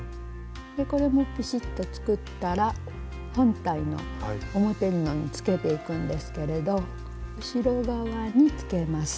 これもピシッと作ったら本体の表布につけていくんですけれど後ろ側につけます。